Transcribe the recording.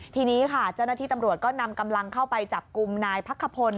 ทีนี้ค่ะเจ้าหน้าที่ตำรวจก็นำกำลังเข้าไปจับกลุ่มนายพักขพล